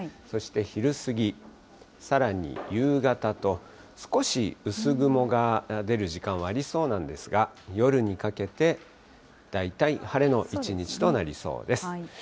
そして昼過ぎ、さらに夕方と、少し薄雲が出る時間はありそうなんですが、夜にかけて大体晴れの一日となりそうです。